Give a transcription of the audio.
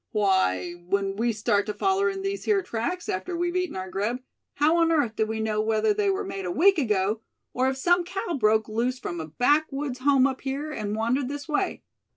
Why, when we start to follerin' these here tracks, after we've eaten our grub, how on earth do we know whether they were made a week ago; or if some cow broke loose from a backwoods home up here, and wandered this way.